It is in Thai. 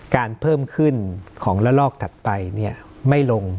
การเพิ่มขึ้นของละลอกถัดไปเนี่ยไม่ลง